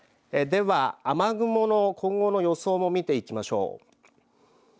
では雨雲の今後の予想も見ていきましょう。